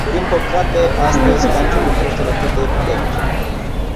Din păcate, astăzi, cancerul crește la cote epidemice.